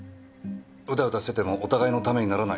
うだうだしててもお互いのためにならない。